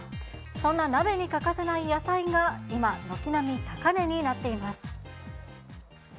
そんな鍋に欠かせない野菜が今、軒並み高値になっています。